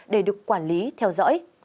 để được quản lý theo dõi